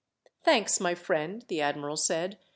"Thanks, my friend," the admiral said.